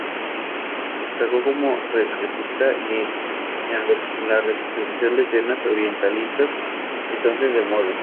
Destacó como retratista y en la representación de escenas orientalistas, entonces de moda.